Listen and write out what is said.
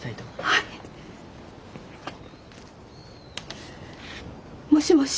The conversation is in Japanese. はい！もしもし？